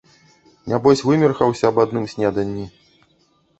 Нябось вымерхаўся аб адным снеданні.